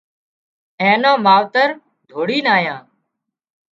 اين نا ماوتر ڌوڙينَ آيان